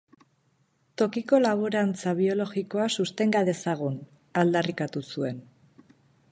"Tokiko laborantza biologikoa sustenga dezagun!" aldarrikatu zuten.